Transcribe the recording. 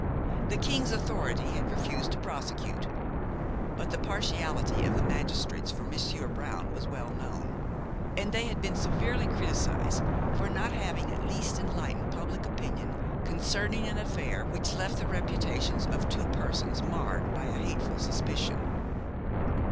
The king's attorney had refused to prosecute; but the partiality of the magistrates for Monsieur Brown was well known, and they had been severely criticised for not having at least enlightened public opinion concerning an affair which left the reputations of two persons marred by a hateful suspicion.